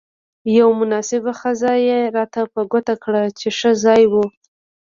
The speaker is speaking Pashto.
یوه مناسبه خزه يې راته په ګوته کړه، چې ښه ځای وو.